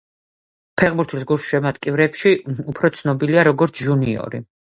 ფეხბურთის გულშემატკივრებში უფრო ცნობილია როგორც ჟუნიორი.